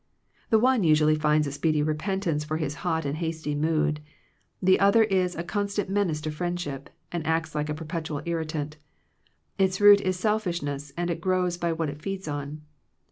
The one usually finds a speedy repentance for his hot and hasty mood ; the other is a con stant menace to friendship, and acts like a perpetual irritant Its root is selfish ness, and it grows by what it feeds on.